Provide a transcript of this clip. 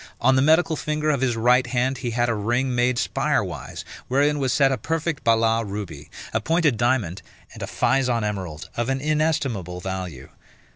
On the medical finger of his right hand he had a ring made spire wise, wherein was set a perfect Balas ruby, a pointed diamond, and a Physon emerald, of an inestimable value.